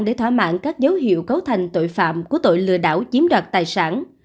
để thỏa mãn các dấu hiệu cấu thành tội phạm của tội lừa đảo chiếm đoạt tài sản